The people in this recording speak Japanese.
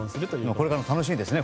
これからも楽しみですね